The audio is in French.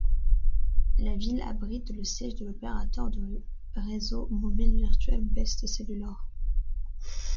La ville abrite le siège de l'opérateur de réseau mobile virtuel Best Cellular.